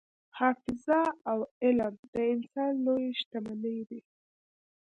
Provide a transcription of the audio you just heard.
حافظه او علم د انسان لویې شتمنۍ دي.